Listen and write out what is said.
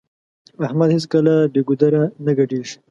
احمد هيڅکله بې ګودره نه ګډېږي.